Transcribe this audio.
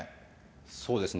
そうですね。